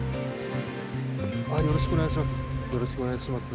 ああよろしくお願いします。